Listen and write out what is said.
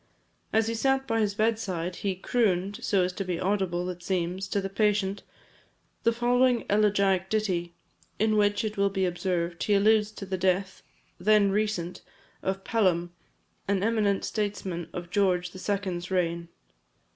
As he sat by his bed side, he "crooned," so as to be audible, it seems, to the patient, the following elegiac ditty, in which, it will be observed, he alludes to the death, then recent, of Pelham, an eminent statesman of George the Second's reign.